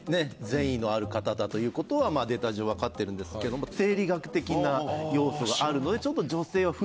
善意のある方だということはデータ上分かってるんですけども生理学的な要素があるのでちょっと。